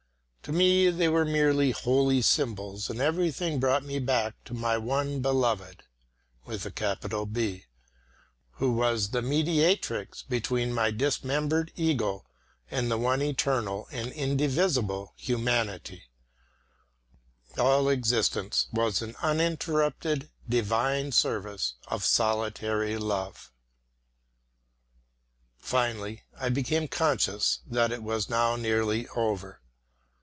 To me they were merely holy symbols, and everything brought me back to my one Beloved, who was the mediatrix between my dismembered ego and the one eternal and indivisible humanity; all existence was an uninterrupted divine service of solitary love. Finally I became conscious that it was now nearly over.